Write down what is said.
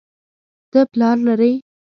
ته پلار لرې